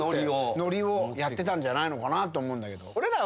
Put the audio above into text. ノリをやってたんじゃないのかなと思うんだけど。